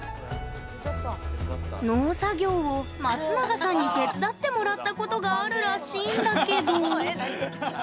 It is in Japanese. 農作業を松永さんに手伝ってもらったことがあるらしいんだけど。